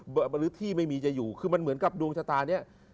หรือที่ไม่มีจะอยู่คือมันเหมือนกับดวงชะตานี้